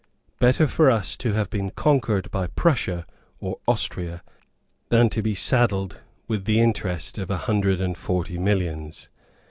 Better for us to have been conquered by Prussia or Austria than to be saddled with the interest of a hundred and forty millions.